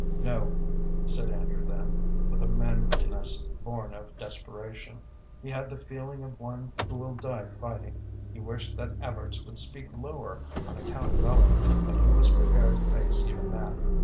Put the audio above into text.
"No," said Andrew then, with a manliness born of desperation. He had the feeling of one who will die fighting. He wished that Evarts would speak lower on account of Ellen, but he was prepared to face even that.